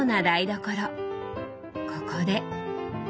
ここで。